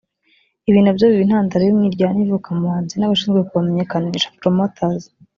Ibi ni byo biba intandaro y’umwiryane uvuka mu bahanzi n’abashinzwe kubamenyekanisha (promoters)